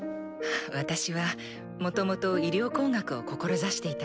私はもともと医療工学を志していたの。